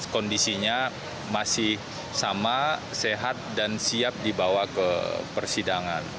kondisinya masih sama sehat dan siap dibawa ke persidangan